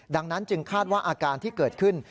ดังนั้นจึงคาดว่าอาการที่เกิดขึ้น